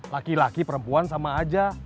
laki laki perempuan sama aja